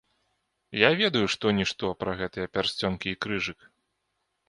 Я ведаю што-нішто пра гэтыя пярсцёнкі і крыжык.